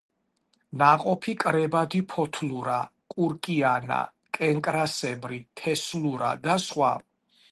ნაყოფი კრებადი ფოთლურა, კურკიანა, კენკრასებრი, თესლურა და სხვა.